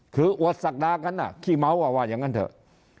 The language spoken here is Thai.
คืออวดศักดากันขี้เมาส์ว่าอย่างนั้นเถอะ